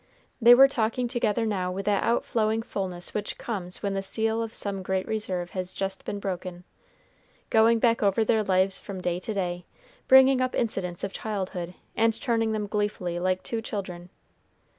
They were talking together now with that outflowing fullness which comes when the seal of some great reserve has just been broken, going back over their lives from day to day, bringing up incidents of childhood, and turning them gleefully like two children.